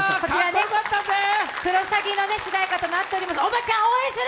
「クロサギ」の主題歌となっております。